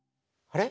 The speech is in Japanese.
あれ？